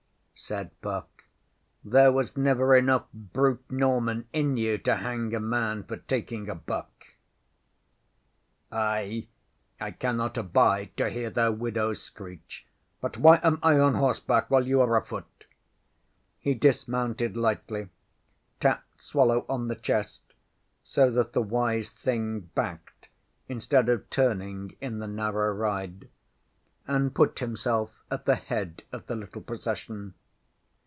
ŌĆÖ said Puck. ŌĆśThere was never enough brute Norman in you to hang a man for taking a buck. ŌĆÖ ŌĆśI I cannot abide to hear their widows screech. But why am I on horseback while you are afoot? ŌĆÖ He dismounted lightly, tapped Swallow on the chest, so that the wise thing backed instead of turning in the narrow ride, and put himself at the head of the little procession.